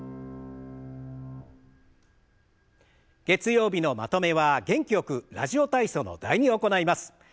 月曜日のまとめは元気よく「ラジオ体操」の「第２」を行います。